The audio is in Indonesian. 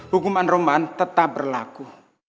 hukuman roman tetap berlaku